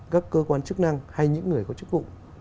các cơ quan chức năng hay những người có chức vụ